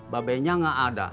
babenya gak ada